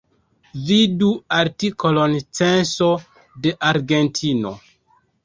Vidu artikolon Censo de Argentino.